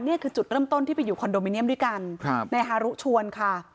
นี่คือจุดเริ่มต้นที่ไปอยู่คอนโดมิเนียมด้วยกันครับนายฮารุชวนค่ะ